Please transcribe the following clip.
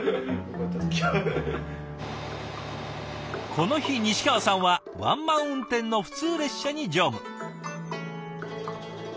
この日西川さんはワンマン運転の普通列車に乗務。